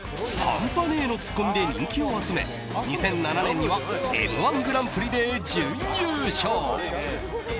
ハンパねえ！のツッコミで人気を集め２００７年には「Ｍ‐１グランプリ」で準優勝。